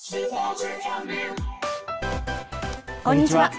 こんにちは。